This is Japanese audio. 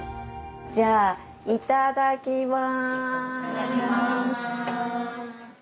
じゃあいただきます。